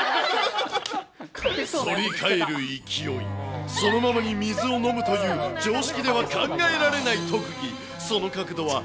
反り返る勢いそのままに水を飲むという常識では考えられない特技。